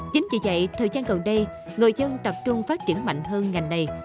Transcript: chính vì vậy thời gian gần đây người dân tập trung phát triển mạnh hơn ngành này